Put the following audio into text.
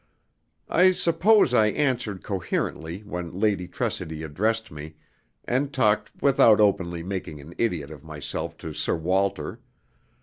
I suppose I answered coherently when Lady Tressidy addressed me, and talked without openly making an idiot of myself to Sir Walter.